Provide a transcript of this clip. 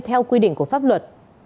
theo quy định của pháp luật